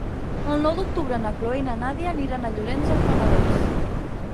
El nou d'octubre na Chloé i na Nàdia aniran a Llorenç del Penedès.